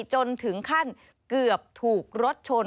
จนถึงขั้นเกือบถูกรถชน